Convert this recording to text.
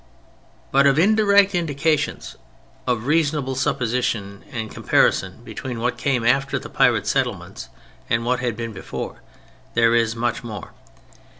But of indirect indications, of reasonable supposition and comparison between what came after the pirate settlements and what had been before, there is much more.